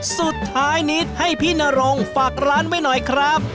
สุดท้ายนิดให้พี่นรงฝากร้านไว้หน่อยครับ